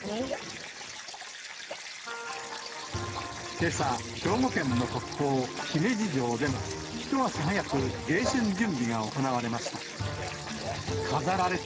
けさ、兵庫県の国宝、姫路城でも、一足早く迎春準備が行われました。